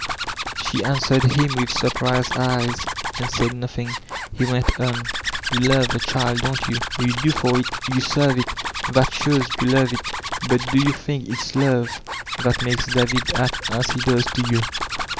She answered him with surprised eyes and said nodi ing. He went on : "You love the child, don't yon? Yoo do for it, you serve it. That shows jrou love it Bvt do you think it's love that makes David act as he does to you?